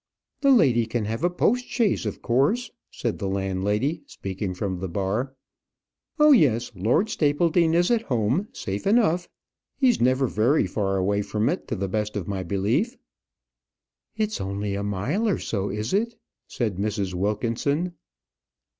"The lady can have a post chaise, of course," said the landlady, speaking from the bar. "Oh, yes, Lord Stapledean is at home, safe enough. He's never very far away from it to the best of my belief." "It's only a mile or so, is it?" said Mrs. Wilkinson.